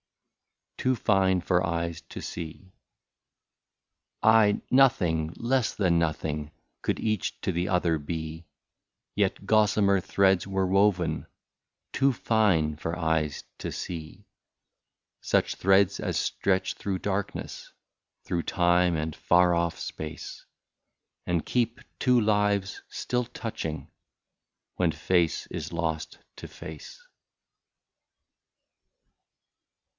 177 TOO FINE FOR EYES TO SEE. Aye ! nothing, less than nothing, Could each to the other be ; Yet gossamer threads were woven. Too fine for eyes to see ; Such threads as stretch through darkness, Through time and far off space. And keep two lives still touching, When face is lost to face.